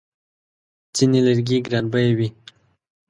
ځینې لرګي ګرانبیه وي.